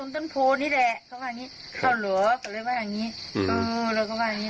ศาลต้นต้นโพนี่แหละเขาว่าอย่างนี้